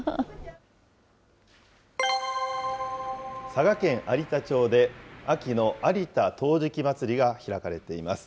佐賀県有田町で、秋の有田陶磁器まつりが開かれています。